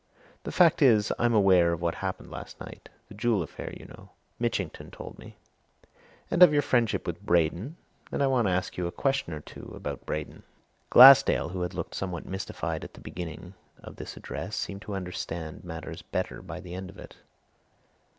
The fact is, I'm aware of what happened last night the jewel affair, you know Mitchington told me and of your friendship with Braden, and I want to ask you a question or two about Braden." Glassdale, who had looked somewhat mystified at the beginning of this address, seemed to understand matters better by the end of it.